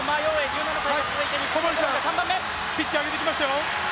小堀さん、ピッチ上げてきましたよ。